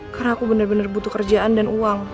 karena aku bener bener butuh kerjaan dan uang